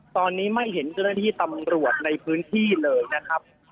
ตอนนี้ไม่เห็นเจ้าหน้าที่ตำรวจในพื้นที่เลยนะครับ